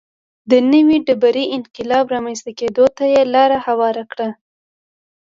د نوې ډبرې انقلاب رامنځته کېدو ته یې لار هواره کړه.